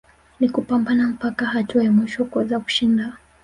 ni kupambana mpaka hatua ya mwisho kuweza kushinda